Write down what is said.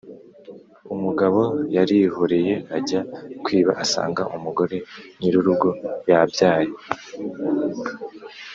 Umugabo yarihoreye ajya kwiba, asanga umugore nyirurugo yabyaye